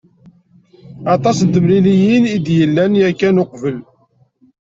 Aṭas n temliliyin i d-yellan yakan uqbel.